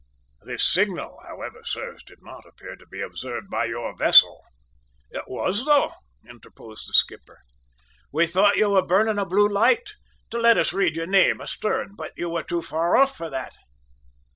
"This signal, however, sirs, did not appear to be observed by your vessel." "It was, though," interposed the skipper. "We thought you were burning a blue light to let us read your name astern, but you were too far off for that!"